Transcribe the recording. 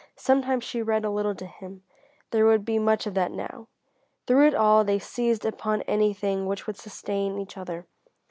Sometimes she read a little to him there would be much of that now. Through it all, they seized upon anything which would sustain each other.